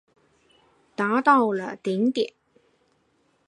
达到了顶点。